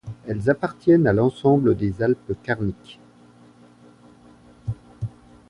Elles appartiennent à l'ensemble des Alpes carniques.